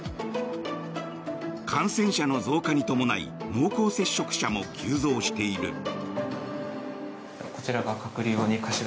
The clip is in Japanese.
感染者の増加に伴い濃厚接触者も急増している。